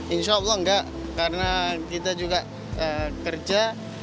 insya allah enggak karena kita juga kerja